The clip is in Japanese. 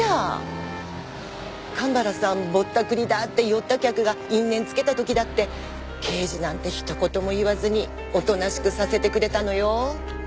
神原さん「ぼったくりだ」って酔った客が因縁つけた時だって刑事なんてひと言も言わずにおとなしくさせてくれたのよ。